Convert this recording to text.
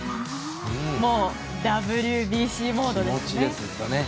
もうＷＢＣモードですね。